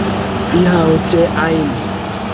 এটা হচ্ছে আইন।